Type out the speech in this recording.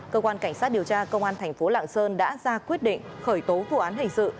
cơ quan cảnh sát điều tra công an tp lạng sơn đã ra quyết định khởi tố vụ án hành sự